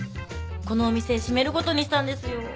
このお店閉めることにしたんですよ